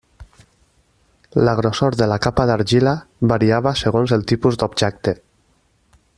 La grossor de la capa d'argila variava segons el tipus d'objecte.